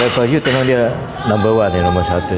rekor hiot itu memang dia number one ya number one